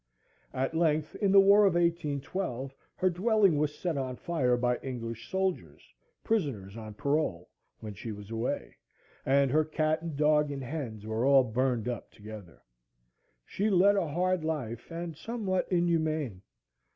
At length, in the war of 1812, her dwelling was set on fire by English soldiers, prisoners on parole, when she was away, and her cat and dog and hens were all burned up together. She led a hard life, and somewhat inhumane.